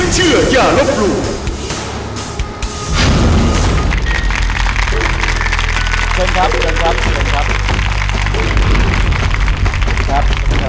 เชิญครับ